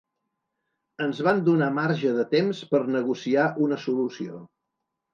Ens van donar marge de temps per negociar una solució.